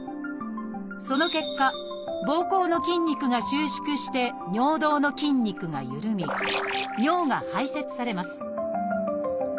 その結果ぼうこうの筋肉が収縮して尿道の筋肉がゆるみ尿が排泄されます。